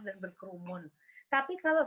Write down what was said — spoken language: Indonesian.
dan berkerumun tapi kalau